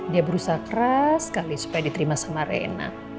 dia berusaha keras sekali supaya diterima sama reina